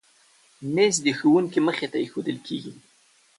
مېز د ښوونکي مخې ته ایښودل کېږي.